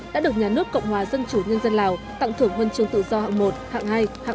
đã được nhà nước cộng hòa dân chủ nhân dân lào tặng thưởng huân trường tự do hạng một hạng hai hạng ba